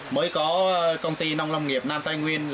mới có công ty nông lâm nghiệp nam tây nguyên